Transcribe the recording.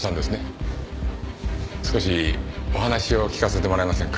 少しお話を聞かせてもらえませんか？